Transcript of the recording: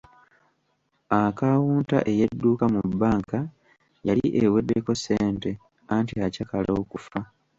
Akawunta ey'edduuka mu banka yali eweddeko ssente anti acakala okufa.